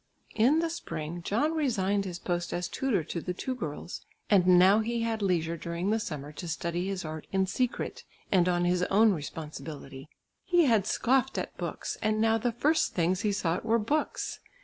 In the spring John resigned his post as tutor to the two girls, and now he had leisure during the summer to study his art in secret, and on his own responsibility. He had scoffed at books, and now the first things he sought were books.